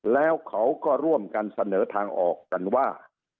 แล้วเขาก็ร่วมกันเสนอทางออกกันว่า